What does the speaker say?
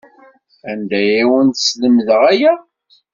Anda ay awent-slemden aya?